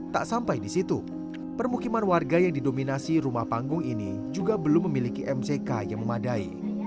tak sampai di situ permukiman warga yang didominasi rumah panggung ini juga belum memiliki mck yang memadai